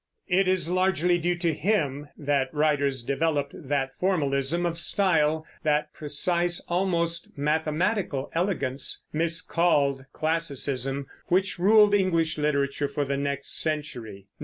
It is largely due to him that writers developed that formalism of style, that precise, almost mathematical elegance, miscalled classicism, which ruled English literature for the next century.